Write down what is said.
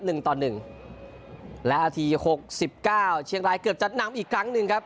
หนึ่งต่อหนึ่งและนาทีหกสิบเก้าเชียงรายเกือบจะนำอีกครั้งหนึ่งครับ